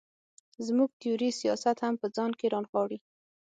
زموږ تیوري سیاست هم په ځان کې را نغاړي.